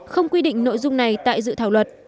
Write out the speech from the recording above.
không quy định nội dung này tại dự thảo luật